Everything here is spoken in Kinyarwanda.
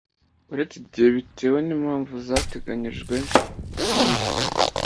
Uretse igihe bitewe n impamvu ziteganywa n iri